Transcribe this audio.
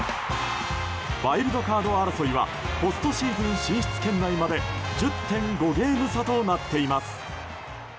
ワイルドカード争いはポストシーズン進出圏内まで１０．５ゲーム差となっています。